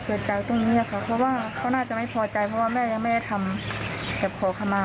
คิดว่าเกี่ยวเกิดจากอะไร